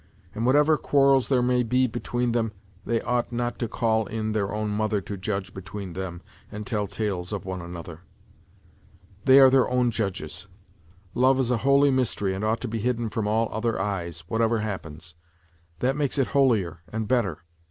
And whatever quarrels there may be between them they ought not to call in their own mother to judge between them and tell tales of one another. They are their own judges. Love is a holy mystery and ought to be hidden from all other eyes, whatever happens. That makes it holier and better.